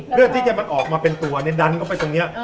เพื่อที่จะออกมาเป็นตัวไม่น่ากินเย้เป็นตัวหนอน